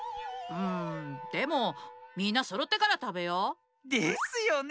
んでもみんなそろってからたべよう。ですよね。